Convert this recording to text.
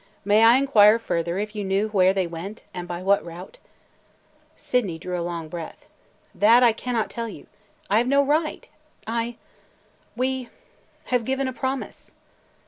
May I inquire further if you know where they went – and by what route?" Sydney drew a long breath. "That I – I cannot tell you. I have no right! I – we – have given a promise!"